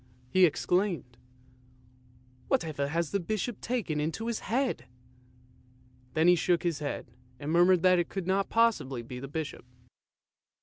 " he exclaimed, " whatever has the Bishop taken into his head? " Then he shook his head and murmured that it could not possibly be the Bishop.